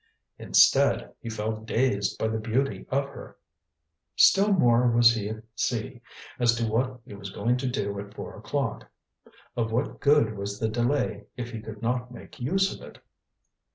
Instead he felt dazed by the beauty of her. Still more was he at sea as to what he was going to do at four o'clock. Of what good was the delay if he could not make use of it?